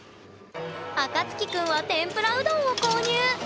あかつき君は天ぷらうどんを購入。